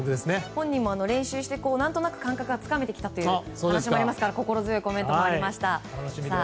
本人も練習して感覚をつかめてきたという話もありますから心強いコメントもありました。